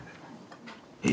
え？